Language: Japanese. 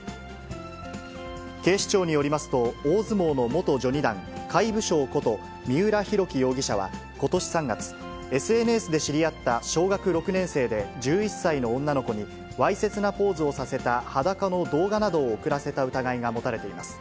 警視庁によりますと、大相撲の元序二段、魁舞翔こと三浦公大容疑者はことし３月、ＳＮＳで知り合った小学６年生で１１歳の女の子に、わいせつなポーズをさせた裸の動画などを送らせた疑いが持たれています。